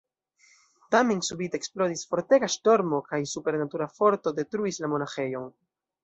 Tamen subite eksplodis fortega ŝtormo kaj supernatura forto detruis la monaĥejon.